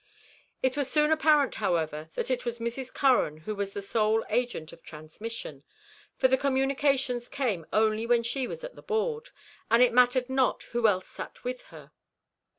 It was soon apparent, however, that it was Mrs. Curran who was the sole agent of transmission; for the communications came only when she was at the board, and it mattered not who else sat with her.